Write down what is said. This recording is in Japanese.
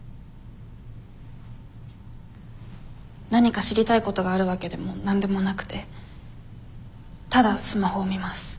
何か知りたいことがあるわけでも何でもなくてただスマホを見ます。